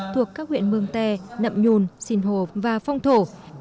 thuộc các huyện mường tè nậm nhùn xìn hồ và phong thổ